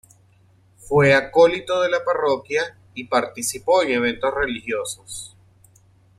Fue acólito de la Parroquia y participó en eventos religiosos.